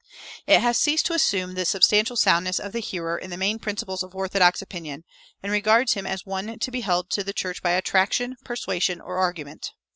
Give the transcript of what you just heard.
It has ceased to assume the substantial soundness of the hearer in the main principles of orthodox opinion, and regards him as one to be held to the church by attraction, persuasion, or argument.